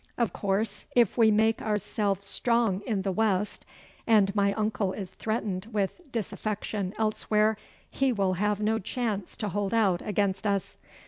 Of course, if we make ourselves strong in the West, and my uncle is threatened with disaffection elsewhere, he will have no chance to hold out against us.